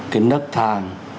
cái nấc thang